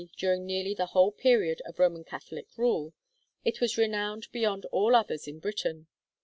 during nearly the whole period of Roman Catholic rule it was renowned beyond all others in Britain.